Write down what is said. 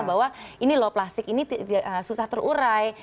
bahwa ini loh plastik ini susah terurai